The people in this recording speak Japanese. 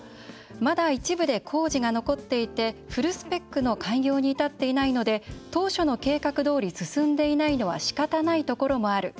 まだ一部で工事が残っていてフルスペックの開業に至ってないので当初の計画どおり進んでいないのはしかたないところもある。